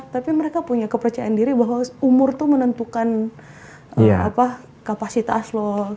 tapi mereka punya kepercayaan diri bahwa umur itu menentukan kapasitas loh